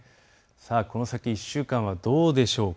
この先１週間はどうでしょうか。